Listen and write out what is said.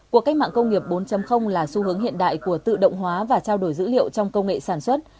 cuộc cách mạng công nghiệp bốn là xu hướng hiện đại của tự động hóa và trao đổi dữ liệu trong công nghệ sản xuất